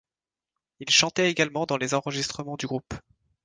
Il chantait également dans les enregistrements du groupe.